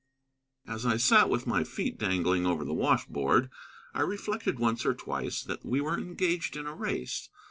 As I sat with my feet dangling over the washboard, I reflected, once or twice, that we were engaged in a race.